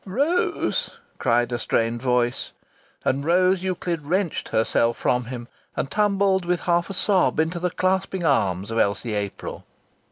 "Rose!" cried a strained voice, and Rose Euclid wrenched herself from him and tumbled with half a sob into the clasping arms of Elsie April.